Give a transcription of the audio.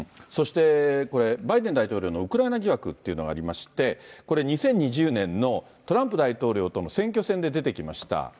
そしてこれ、バイデン大統領のウクライナ疑惑というのがありまして、これ、２０２０年のトランプ大統領との選挙戦で出てきました。